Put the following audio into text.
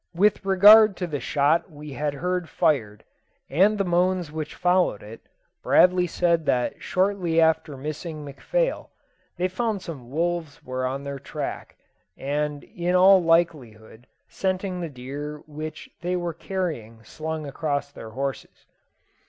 With regard to the shot we had heard fired, and the moans which followed it, Bradley said that shortly after missing McPhail, they found some wolves were on their track, in ail likelihood scenting the deer which they were carrying slung across their horses.